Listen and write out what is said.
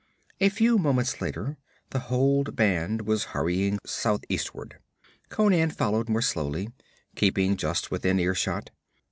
A few moments later the whole band was hurrying southeastward. Conan followed more slowly, keeping just within ear shot.